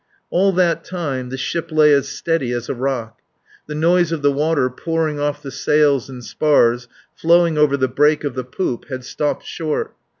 All that time the ship lay as steady as a rock. The noise of the water pouring off the sails and spars, flowing over the break of the poop, had stopped short.